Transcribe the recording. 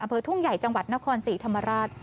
อำเภอทุ่งใหญ่จังหวัดนครศรีธรรมราช